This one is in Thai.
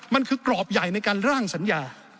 มันคือกรอบใหญ่ในการร่างสัญญา